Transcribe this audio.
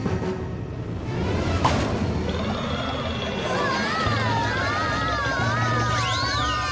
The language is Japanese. うわ！